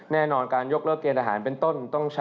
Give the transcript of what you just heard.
แน่นอนการยกเลิกเกณฑ์อาหารเป็นต้น